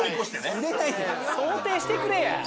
想定してくれや。